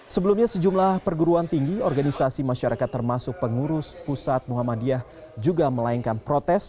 sebelumnya sejumlah perguruan tinggi organisasi masyarakat termasuk pengurus pusat muhammadiyah juga melainkan protes